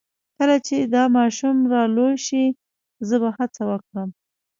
کله چې دا ماشوم را لوی شي زه به هڅه وکړم